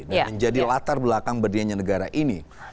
dan menjadi latar belakang berdiri negara ini